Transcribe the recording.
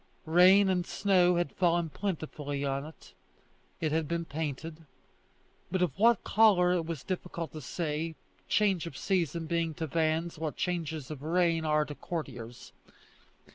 Rain and snow had fallen plentifully on it; it had been painted, but of what colour it was difficult to say, change of season being to vans what changes of reign are to courtiers.